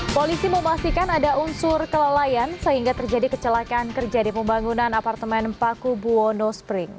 polisi memastikan ada unsur kelalaian sehingga terjadi kecelakaan kerja di pembangunan apartemen paku buwono spring